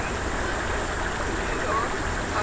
London: NEW YORK, Oct.